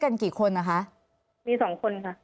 มันเป็นแบบที่สุดท้าย